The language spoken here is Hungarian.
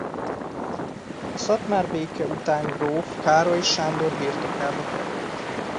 A szatmári béke után gróf Károlyi Sándor birtokába került.